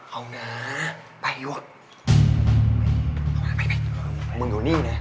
เอานะไปด้วย